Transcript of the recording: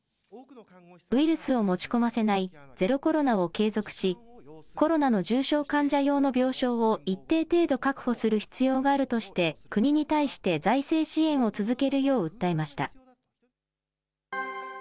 ウイルスを持ち込ませないゼロコロナを継続し、コロナの重症患者用の病床を一定程度確保する必要があるとして、国に対して財政支援を続けるよう訴えました。